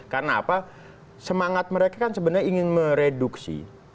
karena apa semangat mereka kan sebenarnya ingin mereduksi